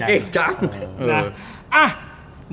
เก่งจัง